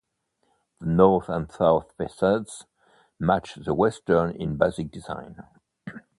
The north and south facades match the western in basic design.